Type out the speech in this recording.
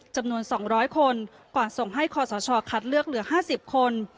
จำนวน๒๐๐คนก่อนส่งให้คอสชคัดเลือกเหลือ๕๐คน